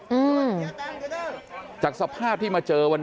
เพื่อนบ้านเจ้าหน้าที่อำรวจกู้ภัย